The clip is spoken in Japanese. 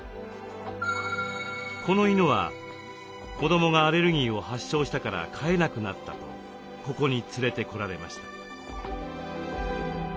この犬は子どもがアレルギーを発症したから飼えなくなったとここに連れてこられました。